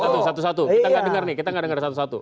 satu satu kita nggak dengar nih kita nggak dengar satu satu